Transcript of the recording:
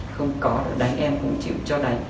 không có được đánh em cũng chịu cho đánh